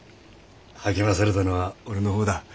励まされたのは俺のほうだ。